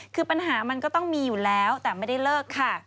คือปัญหามันก็ต้องมีอยู่แล้วแต่ไม่ได้เลิกค่ะ